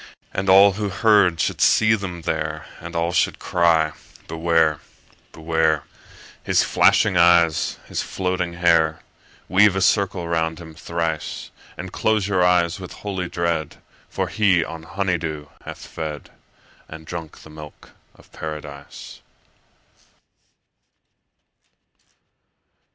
And all who heard should see them there, And all should cry, Beware! Beware! His flashing eyes, his floating hair! 50 Weave a circle round him thrice, And close your eyes with holy dread, For he on honey dew hath fed, And drunk the milk of Paradise.